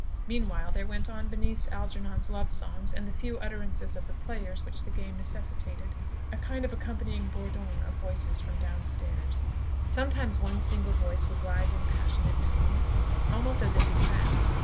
Meanwhile, there went on beneath Algernon's love songs and the few utterances of the players which the game necessitated, a kind of accompanying "bourdon" of voices from downstairs. Sometimes one single voice would rise in passionate tones, almost as if in wrath.